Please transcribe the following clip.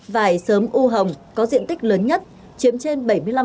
vải sớm u hồng có diện tích lớn nhất chiếm trên bảy mươi năm